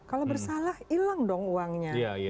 kalau bersalah hilang dong uangnya